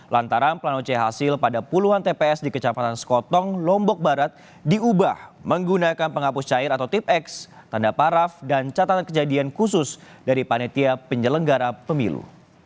lantaran plano ch hasil pada puluhan tps di kecamatan sekotong lombok barat diubah menggunakan penghapus cair atau tip x tanda paraf dan catatan kejadian khusus dari panitia penyelenggara pemilu